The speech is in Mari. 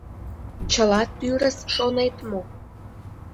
Чыла тӱрыс, шонет мо?!